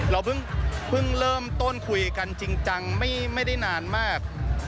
เราเพิ่งเริ่มต้นคุยกันจริงจังไม่ได้นานมาก